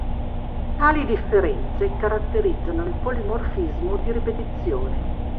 Tali differenze caratterizzano il polimorfismo di ripetizione.